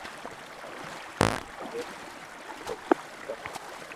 جي امون نو پرݾون ڪرو ھي